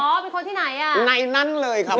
เป็นคนที่ไหนอ่ะในนั้นเลยครับ